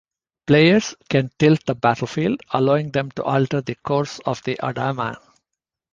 Players can tilt the battlefield, allowing them to alter the course of the Odama.